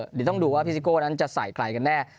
เดี๋ยวต้องดูว่าพี่ซิโก้นั้นจะใส่ใครกันแน่